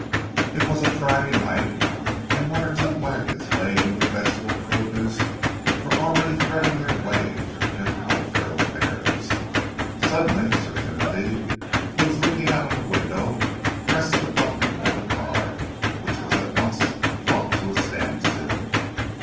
It was a Friday night, and one or two waggons laden with vegetable produce were already threading their way through the difficult thoroughfares. Suddenly Sir Timothy, who was looking out of the window, pressed the button of the car, which was at once brought to a standstill.